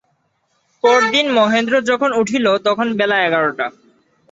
পরদিন মহেন্দ্র যখন উঠিল তখন বেলা এগারোটা।